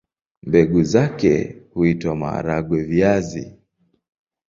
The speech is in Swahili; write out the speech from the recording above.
Mbegu zake huitwa maharagwe-viazi.